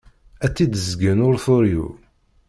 Ad tt-id-ẓẓgen ur turiw.